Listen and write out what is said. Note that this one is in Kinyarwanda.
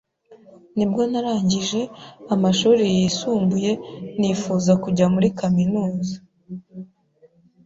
nibwo narangije amashuri yisumbuye nifuza kujya muri kaminuza